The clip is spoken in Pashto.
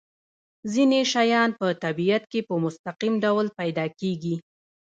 ځینې شیان په طبیعت کې په مستقیم ډول پیدا کیږي.